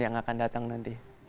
yang akan datang nanti